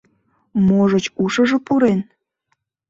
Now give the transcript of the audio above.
— Можыч, ушыжо пурен?